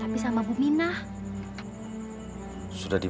kalau punya hutang itu